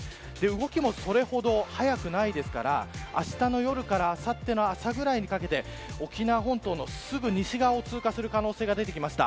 動きもそれほど速くはないですからあしたの夜からあさっての朝ぐらいにかけて沖縄本島のすぐ西側を通過する可能性が出てきました。